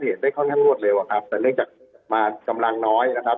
เห็นได้ค่อนข้างรวดเร็วครับแต่เล็กจากมากำลังน้อยนะครับ